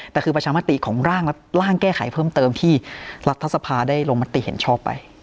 แต่คือประชามติของร่างแก้ไขเพิ่มเติมที่รัฐสภาได้ลงมติเห็นชอบไป